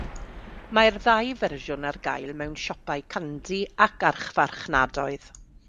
Mae'r ddau fersiwn ar gael mewn siopau candi ac archfarchnadoedd.